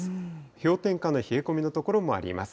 氷点下の冷え込みの所もあります。